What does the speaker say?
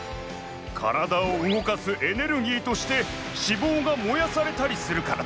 カラダをうごかすエネルギーとして脂肪がもやされたりするからだ。